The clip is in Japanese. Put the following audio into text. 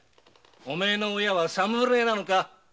お前の親は侍なのか。